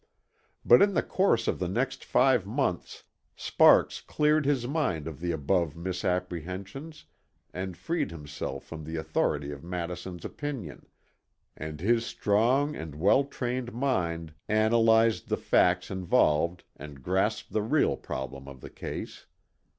But in the course of the next five months Sparks cleared his mind of the above misapprehensions and freed himself from the authority of Madison's opinion; and his strong and well trained mind analysed the facts involved and grasped the real problem of the case.